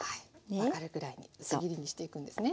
分かるぐらいに薄切りにしていくんですね。